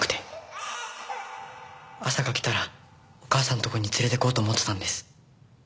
朝が来たらお母さんの所に連れていこうと思ってたんです。